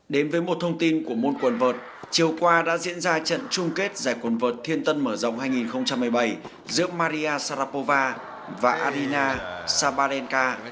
đến với một thông tin của môn quần vợt chiều qua đã diễn ra trận chung kết giải quần vợt thiên tân mở rộng hai nghìn một mươi bảy giữa maria sarakova và arina sabaelka